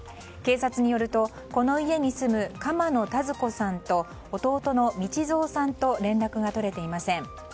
警察によると、この家に住む鎌野多津子さんと弟の道三さんと連絡が取れていません。